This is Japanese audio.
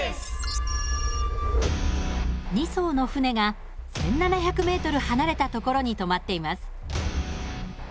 ２そうの船が１，７００ｍ離れた所にとまっています。